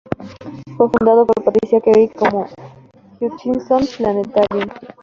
Fue fundado por Patricia Carey como el Hutchinson Planetarium.